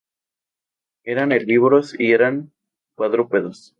Eran herbívoros y eran cuadrúpedos.